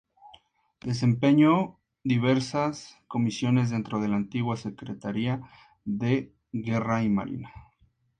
Desempeñó diversas comisiones dentro de la antigua Secretaría de Guerra y Marina.